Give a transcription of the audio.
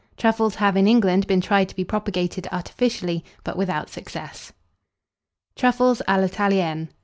Truffles have in England been tried to be propagated artificially, but without success. TRUFFLES A L'ITALIENNE.